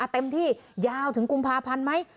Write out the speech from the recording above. เต็มที่ยาวถึงกุมภาพันธ์ไหม